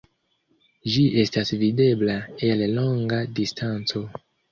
Ĝi estas videbla el longa distanco.